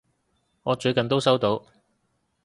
我最近都收到！